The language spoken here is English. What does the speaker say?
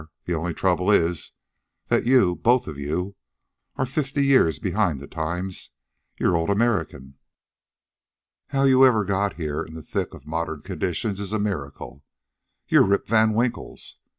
The only trouble is that you, both of you, are fifty years behind the times. You're old American. How you ever got here in the thick of modern conditions is a miracle. You're Rip Van Winkles.